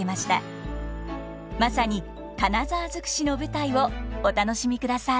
まさに金沢尽くしの舞台をお楽しみください。